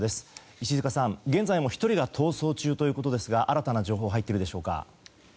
石塚さん、現在も１人が逃走中ということですが新たな情報入っているでしょうか。